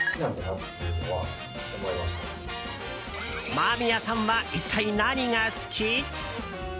間宮さんは一体何が好き？